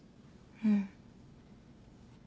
うん。